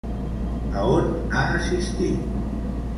A on ha assistit?